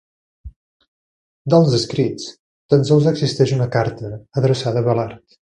Dels escrits, tan sols existeix una carta adreçada a Abelard.